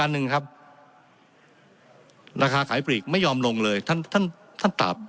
หนึ่งครับราคาขายปลีกไม่ยอมลงเลยท่านท่านตอบ